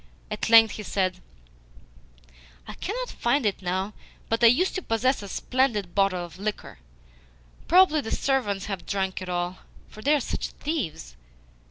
At length he said: "I cannot find it now, but I used to possess a splendid bottle of liquor. Probably the servants have drunk it all, for they are such thieves.